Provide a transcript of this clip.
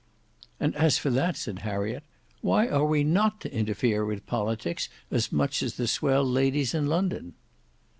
"And as for that," said Harriet, "why are we not to interfere with politics as much as the swell ladies in London?"